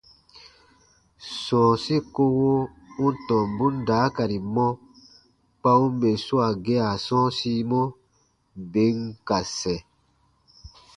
Sɔ̃ɔsi kowo u n tɔmbun daakari mɔ kpa u n bè swaa gea sɔ̃ɔsimɔ, bè n ka sɛ̃.